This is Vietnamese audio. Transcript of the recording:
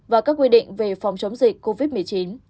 và các quy định về phòng chống dịch covid một mươi chín